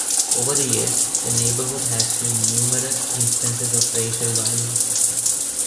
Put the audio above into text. Over the years, the neighborhood has seen numerous instances of racial violence.